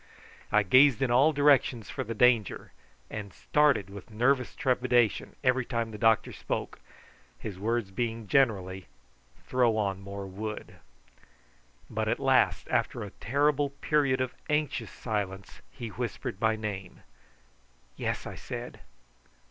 I gazed in all directions for the danger, and started with nervous trepidation every time the doctor spoke, his words being generally "Throw on more wood." But at last, after a terrible period of anxious silence, he whispered my name. "Yes," I said.